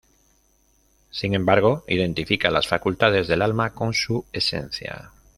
Sin embargo, identifica las facultades del alma con su esencia.